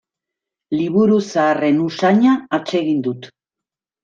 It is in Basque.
Liburu zaharren usaina atsegin dut.